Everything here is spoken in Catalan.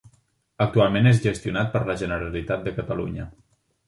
Actualment és gestionat per la Generalitat de Catalunya.